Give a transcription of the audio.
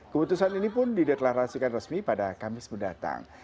keputusan ini pun dideklarasikan resmi pada kamis mendatang